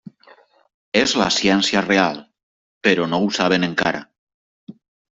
És la ciència real, però no ho saben encara.